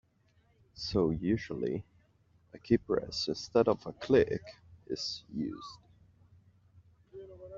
So usually a keypress instead of a click is used.